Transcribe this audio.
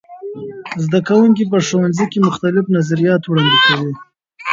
زده کوونکي په ښوونځي کې مختلف نظریات وړاندې کوي.